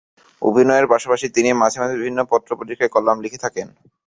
অভিনয়ের পাশাপাশি তিনি মাঝে মাঝে বিভিন্ন পত্র-পত্রিকায় কলাম লিখে থাকেন।